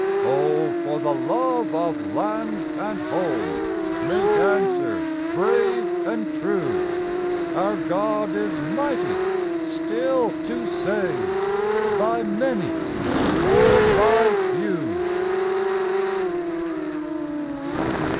O, for the love of land and home, make answer brave and true; Our God is mighty still to save, by many or by few.